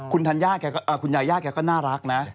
คุณยาย่าเขาก็น่ารักน่ะ